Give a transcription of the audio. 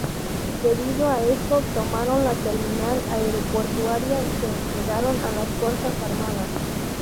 Debido a esto, tomaron la terminal aeroportuaria y se entregaron a las fuerzas armadas.